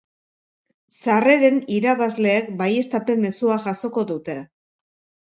Sarreren irabazleek baieztapen mezua jasoko dute.